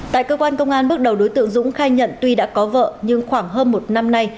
tại cơ quan công an bước đầu đối tượng dũng khai nhận tuy đã có vợ nhưng khoảng hơn một năm nay